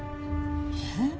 えっ！？